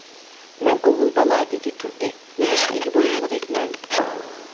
مەن ئوغۇل بالا، دېدى تۇردى، نېمىشقا ئىگە بولمىغۇدەكمەن.